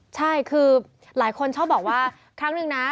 ใช่คือหลายคนชอบบอกว่าครั้งหนึ่งนะ